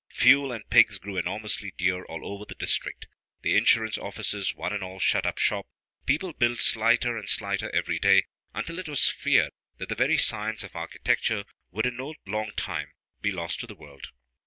Fuel and pigs grew enormously dear all over the district. The insurance offices one and all shut up shop. People built slighter and slighter every day, until it was feared that the very science of architecture would in no long time be lost to the world.